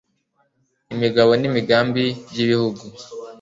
imigabo n'imigambi by'igihugu